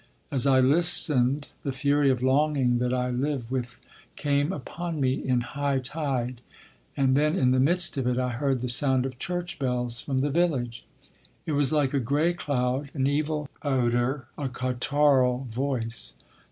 As I listened, the fury of longing that I live with came upon me in high tide—and then in the midst of it, I heard the sound of church bells from the village. It was like a gray cloud, an evil odour, a catarrhal voice....